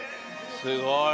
すごい。